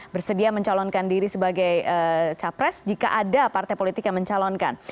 bersedia mencalonkan diri sebagai capres jika ada partai politik yang mencalonkan